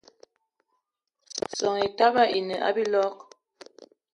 Soan Etaba ine a biloig